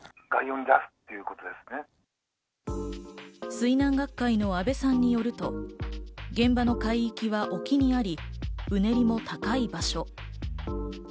水難学会の安倍さんによると、現場の海域は沖はうねりも高い場所。